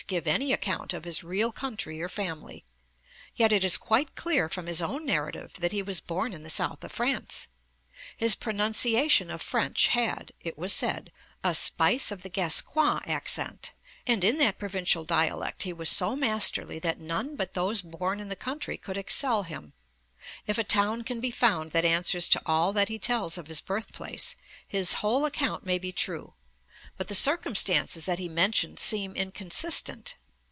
59), give any account 'of his real country or family.' Yet it is quite clear from his own narrative that he was born in the south of France. 'His pronunciation of French had,' it was said, 'a spice of the Gascoin accent, and in that provincial dialect he was so masterly that none but those born in the country could excel him' (Preface, p. 1). If a town can be found that answers to all that he tells of his birth place, his whole account may be true; but the circumstances that he mentions seem inconsistent.